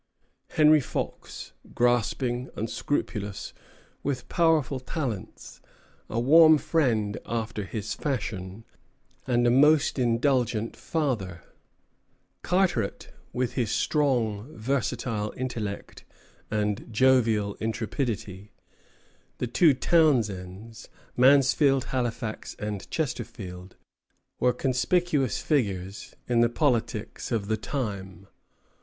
Henry Fox, grasping, unscrupulous, with powerful talents, a warm friend after his fashion, and a most indulgent father; Carteret, with his strong, versatile intellect and jovial intrepidity; the two Townshends, Mansfield, Halifax, and Chesterfield, were conspicuous figures in the politics of the time.